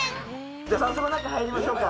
じゃあ早速中入りましょうか。